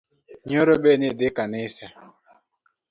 Nyoro be nidhii e kanisa?